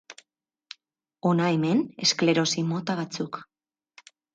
Hona hemen esklerosi mota batzuk.